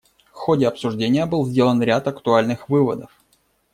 В ходе обсуждения был сделан ряд актуальных выводов.